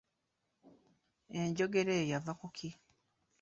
Enjogera eyo yava ku ki ?